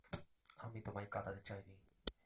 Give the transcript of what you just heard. আমি তোমায় কাঁদাতে চাইনি।